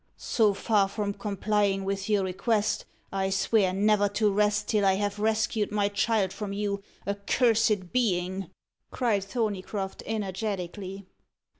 "So far from complying with your request, I swear never to rest till I have rescued my child from you, accursed being!" cried Thorneycroft energetically.